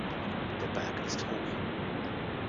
Der Berg ist hoch.